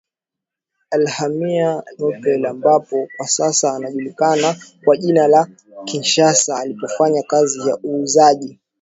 alihamia Léopoldville ambao kwa sasa unajulikana kwa jina la Kinshasa alipofanya kazi ya uuzaji